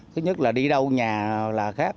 thứ nhất là đi đâu nhà là khác